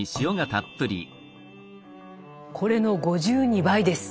これの５２倍です！